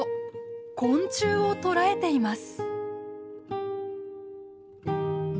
昆虫を捕らえています。